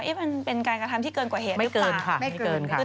มันเป็นการกระทำที่เกินกว่าเหตุหรือเปล่าไม่เกินค่ะ